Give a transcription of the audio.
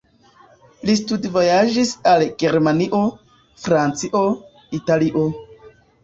Li studvojaĝis al Germanio, Francio, Italio.